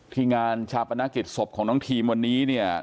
ที่งานชาปนักศิริษภาพของทีมวันนี้เนี่ย